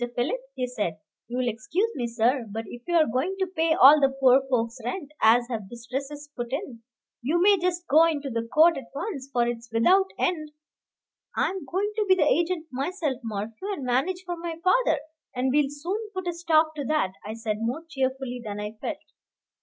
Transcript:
Philip," he said, "you'll excuse me, sir, but if you're going to pay all the poor folks' rent as have distresses put in, you may just go into the court at once, for it's without end " "I am going to be the agent myself, Morphew, and manage for my father; and we'll soon put a stop to that," I said, more cheerfully than I felt.